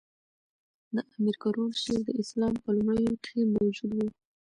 د امیر کروړ شعر د اسلام په لومړیو کښي موجود وو.